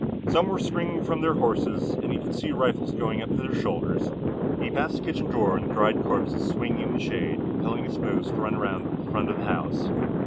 Some were springing from their horses, and he could see the rifles going to their shoulders. He passed the kitchen door and the dried corpses swinging in the shade, compelling his foes to run around the front of the house.